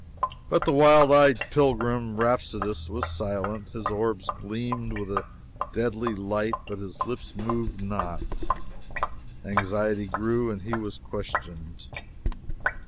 But the wild eyed pilgrim rhapsodist was silent. His orbs gleamed with a deadly light, but his lips moved not. Anxiety grew, and he was questioned.